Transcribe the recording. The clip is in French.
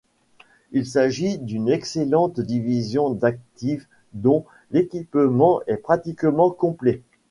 Il s'agit d'une excellente division d'active dont l'équipement est pratiquement complet.